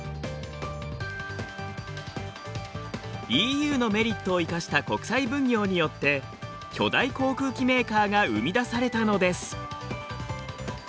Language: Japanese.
ＥＵのメリットを生かした国際分業によって巨大航空機メーカーが生み出されたのです。